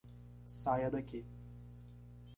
Saia daqui.